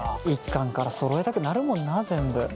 １巻からそろえたくなるもんな全部。